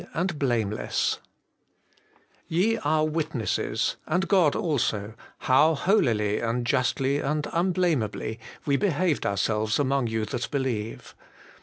antr Blameless* ' Ye are witnesses, and God also, how holily and justly and unblameably we behaved ourselves among you that believe.